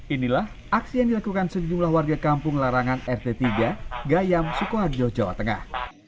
inilah aksi yang dilakukan sejumlah warga kampung larangan rt tiga gayam sukoharjo jawa tengah